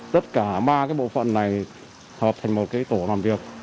tất cả ba bộ phận này hợp thành một tổ làm việc